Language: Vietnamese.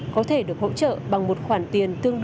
có thể được hỗ trợ bằng một khoản tiền tương